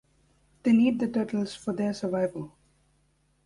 They need the turtles for their survival.